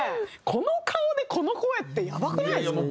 この顔でこの声ってやばくないですか？